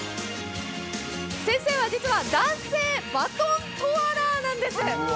先生は実は男性バトントワラーなんです。